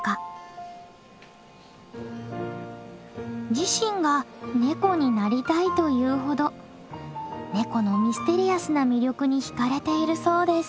自身がネコになりたいと言うほどネコのミステリアスな魅力に引かれているそうです。